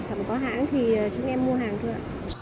thật là có hãng thì chúng em mua hàng thôi ạ